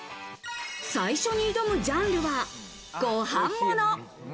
最初に挑むジャンルは、ご飯もの。